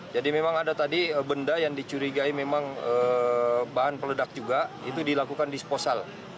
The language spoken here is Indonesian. jadi memang ada tadi benda yang dicurigai memang bahan peledak juga itu dilakukan disposal